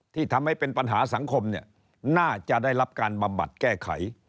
ที่ทำให้เป็นปัญหาสังคมเนี่ยน่าจะได้รับการบำบัดแก้ไข